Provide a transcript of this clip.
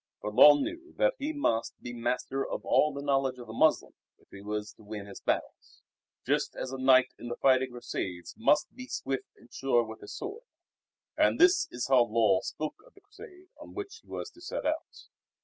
For Lull knew that he must be master of all the knowledge of the Moslem if he was to win his battles; just as a knight in the fighting Crusades must be swift and sure with his sword. And this is how Lull spoke of the Crusade on which he was to set out.